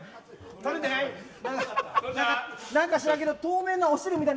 取れてない。